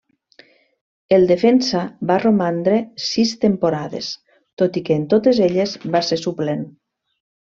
El defensa va romandre sis temporades, tot i que en totes elles va ser suplent.